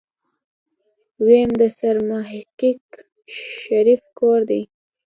ويم د سرمحقق شريف کور دی.